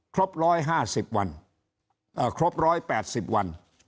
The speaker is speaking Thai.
ครบ๑๕๐วันครบ๑๘๐วัน